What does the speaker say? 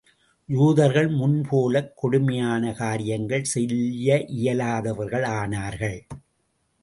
யூதர்கள் முன் போலக் கொடுமையான காரியங்கள் செய்ய இயலாதவர்களானார்கள்.